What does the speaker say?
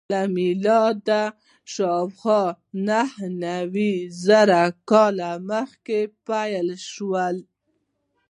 له میلاده شاوخوا نهه نیم زره کاله مخکې پیل شول.